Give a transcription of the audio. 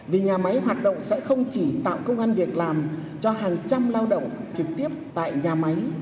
vì nhà máy hoạt động sẽ không chỉ tạo công an việc làm cho hàng trăm lao động trực tiếp tại nhà máy